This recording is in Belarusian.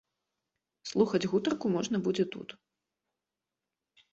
Слухаць гутарку можна будзе тут.